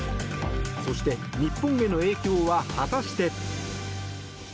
そして、日本への影響は果たして。